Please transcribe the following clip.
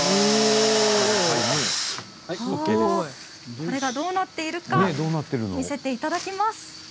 これがどうなっているのか見せていただきます。